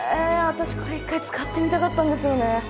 私これ１回使ってみたかったんですよね。